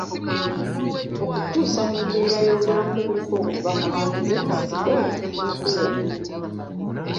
Okukyusa mu mbeera y'obulamu kuliko okuva ku mwenge, sigala n'okwebaka ennyo.